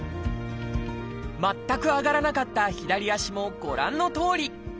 全く上がらなかった左足もご覧のとおり！